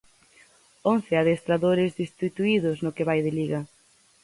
Once adestradores destituídos no que vai de Liga.